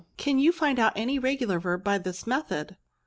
Can you find out any regular verb by this method?"